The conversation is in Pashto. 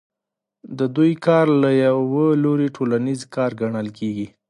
د دوی کار له یوه لوري ټولنیز کار ګڼل کېږي